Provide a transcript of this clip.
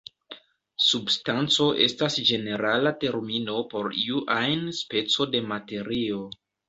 Substanco estas ĝenerala termino por iu ajn speco de materio.